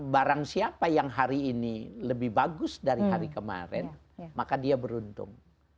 barang siapa yang hari ini lebih bagus dari hari kemarin maka dia beruntung